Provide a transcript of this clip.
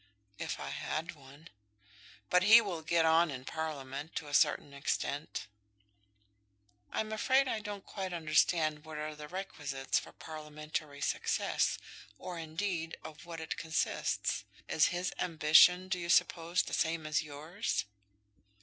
"If I had one." "But he will get on in Parliament, to a certain extent." "I'm afraid I don't quite understand what are the requisites for Parliamentary success, or indeed of what it consists. Is his ambition, do you suppose, the same as yours?"